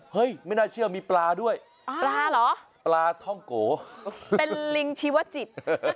ไม่น่าเชื่อมีปลาด้วยปลาเหรอปลาท่องโกเป็นลิงชีวจิต